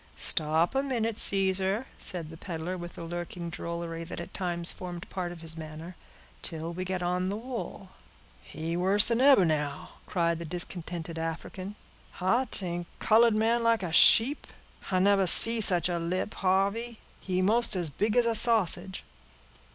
"Stop a minute, Caesar," said the peddler, with the lurking drollery that at times formed part of his manner, "till we get on the wool." "He worse than ebber now," cried the discontented African. "A t'ink colored man like a sheep! I nebber see sich a lip, Harvey; he most as big as a sausage!"